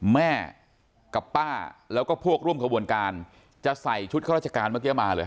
แม่กับป้าแล้วก็พวกร่วมขบวนการจะใส่ชุดข้าราชการเมื่อกี้มาเลย